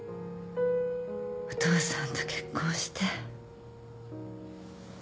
お父さんと結婚して。